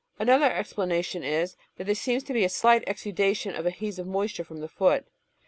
Another explanation is, that there seems to be a slight exudation of adhesive moisture from the foot.